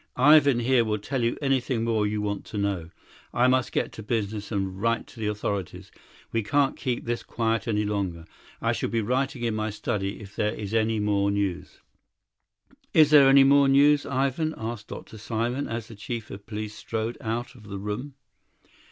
Ivan here will tell you anything more you want to know; I must get to business and write to the authorities. We can't keep this quiet any longer. I shall be writing in my study if there is any more news." "Is there any more news, Ivan?" asked Dr. Simon, as the chief of police strode out of the room.